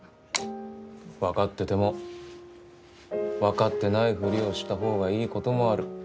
分かってても分かってないふりをした方がいいこともある。